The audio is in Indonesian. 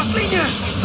aku disini itu